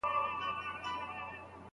ولور نه ورکول سم عمل نه دی.